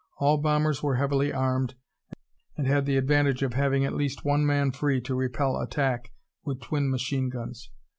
All bombers were heavily armed, and had the advantage of having at least one man free to repel attack with twin machine guns.